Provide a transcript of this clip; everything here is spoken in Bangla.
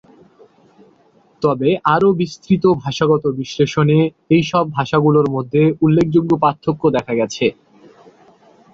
তবে আরও বিস্তৃত ভাষাগত বিশ্লেষণে এই সব ভাষাগুলোর মধ্যে উল্লেখযোগ্য পার্থক্য দেখা গেছে।